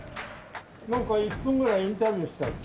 何か１分ぐらいインタビュ―したいって。